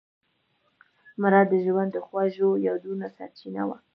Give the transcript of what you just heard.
مړه د ژوند د خوږو یادونو سرچینه وه